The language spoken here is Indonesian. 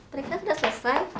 tereka sudah selesai